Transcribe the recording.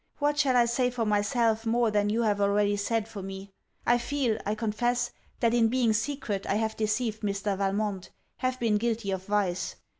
What shall I say for myself more than you have already said for me? I feel, I confess, that in being secret I have deceived Mr. Valmont, have been guilty of vice.